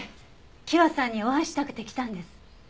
希和さんにお会いしたくて来たんです。